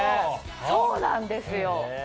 そうなんですよ。